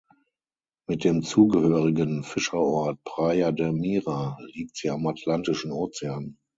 Mit dem zugehörigen Fischerort "Praia de Mira" liegt sie am Atlantischen Ozean.